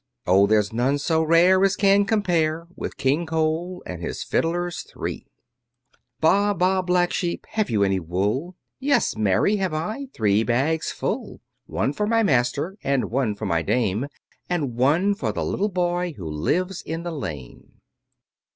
Oh, there's none so rare, As can compare With King Cole and his fiddlers three. Baa, baa, black sheep, Have you any wool? Yes, marry, have I, Three bags full; One for my master, And one for my dame, And one for the little boy Who lives in the lane.